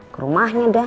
ke rumahnya dah